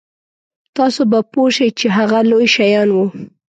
تاسو به پوه شئ چې هغه لوی شیان وو.